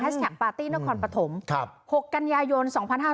แฮสแท็กปาร์ตี้นครปฐม๖กันยายน๒๕๖๖